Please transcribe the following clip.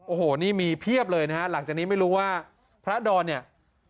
โอ้โหนี่มีเพียบเลยนะฮะหลังจากนี้ไม่รู้ว่าพระดอนเนี่ย